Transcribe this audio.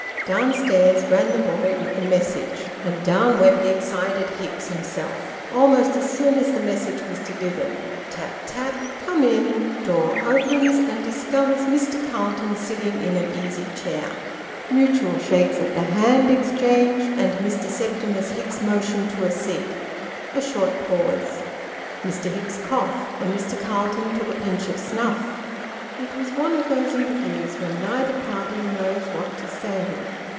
Down stairs ran the boy with the message, and down went the excited Hicks himself, almost as soon as the message was delivered. " Tap, tap." " Come in." Door opens, and discovers Mr. Calton sitting in an easy chair. Mutual shakes of the hand exchanged, and Mr. Septimus Hicks motioned to a seat. A short pause. Mr. Hicks coughed, and Mr. Calton took a pinch of snuff. It was one of those interviews where neither party knows what to say.